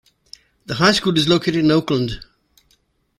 The high school is located in Oakland.